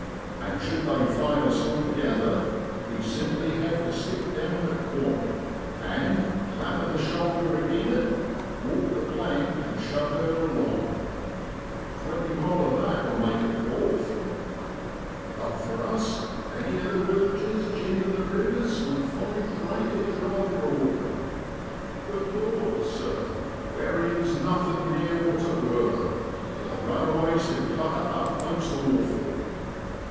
And should they fail us altogether, we simply hev to stick down the ' quant ' and, clappin' the shoulder agin it, walk the plank an' shove her along. Twenty mile of that will make yer cough ! But for us many of the willages jindin' the rivers would find freightage rather awk'ard. But lor, sir, wherryin's nothin' near what it wor, for the railways have cut it up most awful.